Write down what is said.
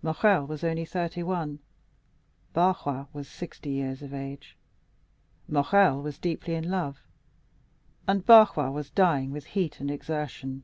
Morrel was only thirty one, Barrois was sixty years of age; Morrel was deeply in love, and Barrois was dying with heat and exertion.